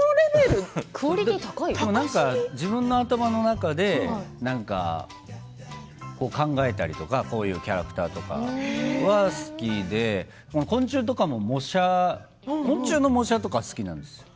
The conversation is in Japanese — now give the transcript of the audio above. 自分の頭の中でなんか考えたりとかこういうキャラクターとか好きで昆虫とかの模写が好きなんですよ。